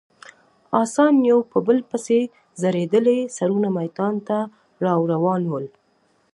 اسان یو په بل پسې ځړېدلي سرونه میدان ته راروان ول.